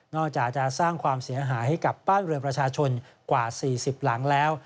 อกจากจะสร้างความเสียหายให้กับบ้านเรือนประชาชนกว่า๔๐หลังแล้ว